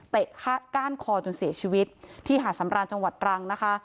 ก้านคอจนเสียชีวิตที่หาดสำราญจังหวัดตรังนะคะ